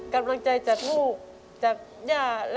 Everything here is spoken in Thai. กำลังใจจากลูกจากย่า